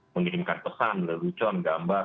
mengirimkan pesan lelucon gambar